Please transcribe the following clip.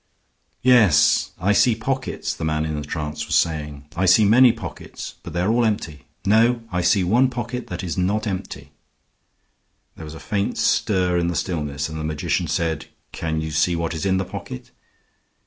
"Yes, I see pockets," the man in the trance was saying. "I see many pockets, but they are all empty. No; I see one pocket that is not empty." There was a faint stir in the stillness, and the magician said, "Can you see what is in the pocket?"